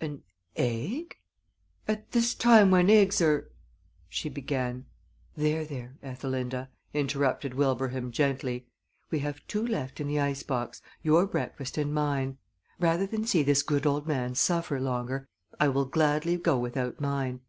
"An egg? At this time when eggs are " she began. "There, there, Ethelinda," interrupted Wilbraham, gently. "We have two left in the ice box your breakfast and mine. Rather than see this good old man suffer longer I will gladly go without mine.